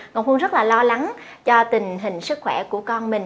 ngọc huynh rất là lo lắng cho tình hình sức khỏe của con mình